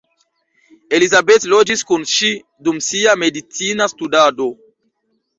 Elizabeth loĝis kun ŝi dum sia medicina studado.